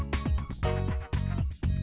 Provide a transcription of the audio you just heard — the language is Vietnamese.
vâng đúng rồi